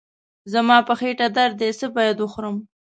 زما په خېټه درد دی، څه باید وخورم؟